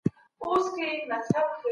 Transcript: د تاریخ مطالعه باید د حقایقو پر بنسټ وي.